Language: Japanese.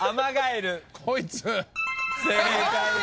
正解です。